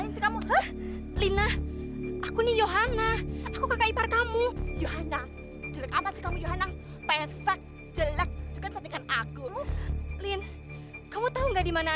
sampai jumpa di video selanjutnya